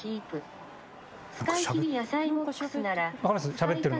しゃべってるの。